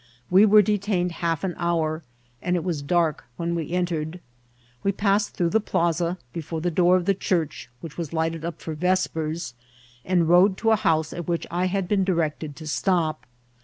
We were detained half an hour, and it was dark when we entered. We pass ed through the jdaxa, before the door of the church, which was lighted up for veqpers, and rode to a house ftt which I had been directed to stop.